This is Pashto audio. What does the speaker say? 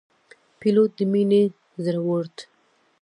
پیلوټ د مینې، زړورت